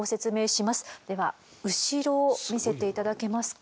では後ろを見せて頂けますか？